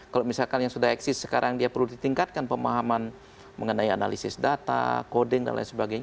kalau misalkan yang sudah eksis sekarang dia perlu ditingkatkan pemahaman mengenai analisis data coding dan lain sebagainya